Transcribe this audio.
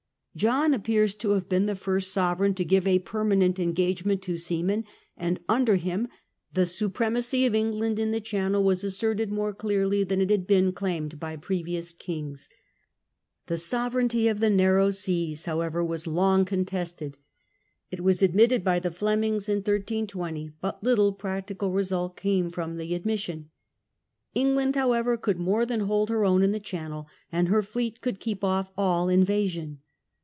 John appears to have been the first sovereign to give a permanent engagement to seamen, and under him the supremacy of England in the Channel was asserted more clearly than it had been claimed by previous kings. The "sovereignty of the narrow seas", however, was long contested. It was ad mitted by the Flemings in 1320, but little practical result came from the admission. England, however, could more than hold her own in the Channel, and her fleet could keep off all invasion.